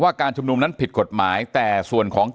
อย่างที่บอกไปว่าเรายังยึดในเรื่องของข้อ